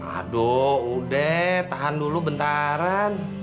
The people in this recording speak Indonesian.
aduh udah tahan dulu bentaran